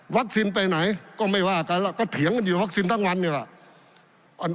ไปไหนก็ไม่ว่ากันแล้วก็เถียงกันอยู่วัคซีนทั้งวันนี่แหละ